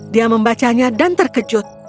dia membacanya dan terkejut